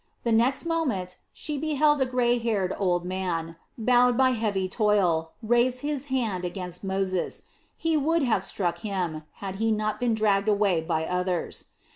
The next moment she beheld a grey haired old man, bowed by heavy toil, raise his fist against Moses. He would have struck him, had he not been dragged away by others.